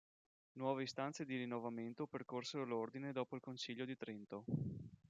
Nuove istanze di rinnovamento percorsero l'ordine dopo il Concilio di Trento.